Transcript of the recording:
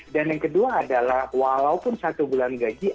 yang kedua adalah walaupun satu bulan gaji